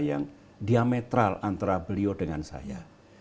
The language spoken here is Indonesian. yang diametral antara beliau dengan saya